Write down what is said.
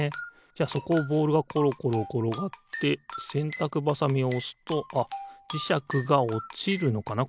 じゃあそこをボールがころころころがってせんたくばさみをおすとあっじしゃくがおちるのかな？